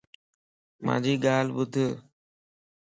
مانجي ڳالھ ٻُڌ